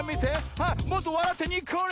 あっもっとわらってにっこり！